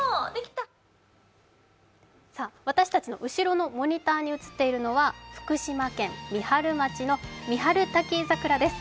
私たちの後ろのモニターに映っているのは福島県三春町の三春滝桜です。